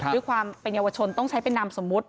ด้วยความเป็นเยาวชนต้องใช้เป็นนามสมมุติ